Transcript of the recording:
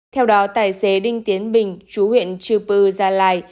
theo đó tài xế đinh tiến bình chú huyện chư pư gia lai